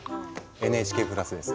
ＮＨＫプラスです。